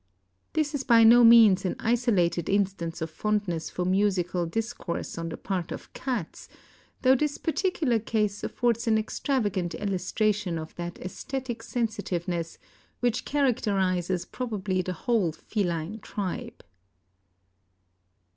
This is by no means an isolated instance of fondness for musical discourse on the part of cats, though this particular case affords an extravagant illustration of that æsthetic sensitiveness which characterizes probably the whole feline tribe.